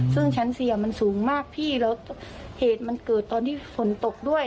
ซึ่งชั้นสี่อ่ะมันสูงมากพี่แล้วเหตุมันเกิดตอนที่ฝนตกด้วย